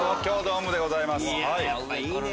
やっぱいいね！